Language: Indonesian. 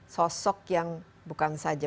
sosok yang bukan saja